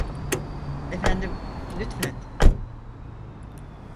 Efendim, lütfen.